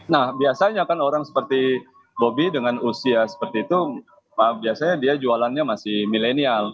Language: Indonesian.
nah biasanya kan orang seperti bobi dengan usia seperti itu biasanya dia jualannya masih milenial